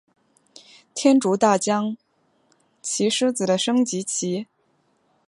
天竺大将棋狮子的升级棋。